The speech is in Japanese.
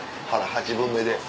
八分目で。